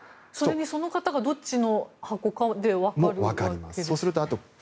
その方がどっちの箱かで分かるんですか。